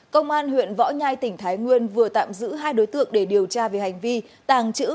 công an huyện võ nhai tỉnh thái nguyên vừa tạm giữ hai đối tượng để điều tra về hành vi tàng trữ